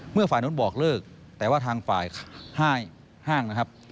ฝ่ายนู้นบอกเลิกแต่ว่าทางฝ่ายห้างนะครับ